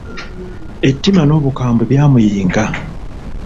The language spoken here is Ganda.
Ettima n'obukambwe byamuyinga!